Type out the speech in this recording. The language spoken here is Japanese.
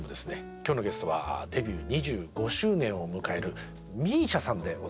今日のゲストはデビュー２５周年を迎えるＭＩＳＩＡさんでございます。